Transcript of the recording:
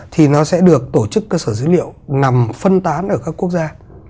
thì nó sẽ được tổ chức cơ sở dữ liệu nằm phân tán ở các quốc gia